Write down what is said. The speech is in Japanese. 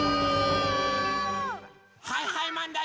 はいはいマンだよ！